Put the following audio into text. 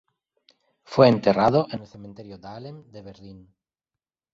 Fue enterrado en el Cementerio Dahlem de Berlín.